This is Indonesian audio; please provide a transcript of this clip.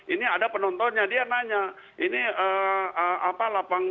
ini ada penontonnya dia nanya